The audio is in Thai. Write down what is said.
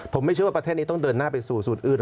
ผมไม่เชื่อว่าประเทศนี้ต้องเดินหน้าไปสู่สูตรอื่น